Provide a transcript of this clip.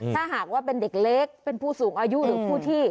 ถ้าหากว่าเป็นเด็กเล็กเป็นผู้สูงอายุหรือผู้ที่